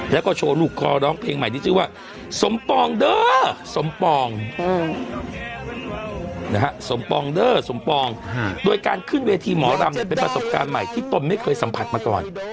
แล้วก็โชว์ลูกคอร้องเพลงใหม่ที่ชื่อว่าสมปองเด้อสมปองสมปองเด้อสมปองโดยการขึ้นเวทีหมอรำเนี่ยเป็นประสบการณ์ใหม่ที่ตนไม่เคยสัมผัสมาก่อน